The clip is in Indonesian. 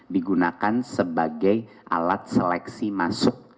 digunakan sebagai alat seleksi masuk